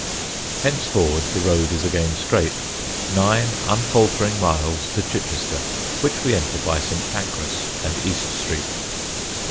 Henceforward the road is again straight, nine unfaltering miles to Chichester, which we enter by St. Pancras and East Street.